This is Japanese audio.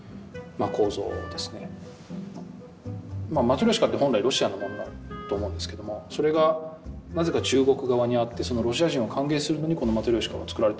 マトリョーシカって本来ロシアのものだと思うんですけどもそれがなぜか中国側にあってロシア人を歓迎するのにこのマトリョーシカがつくられている。